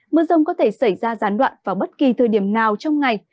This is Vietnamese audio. mưa rông có thể xảy ra gián đoạn vào bất kỳ thời điểm nào trong ngày